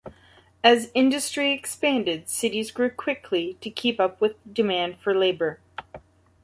As industry expanded, cities grew quickly to keep up with demand for labor.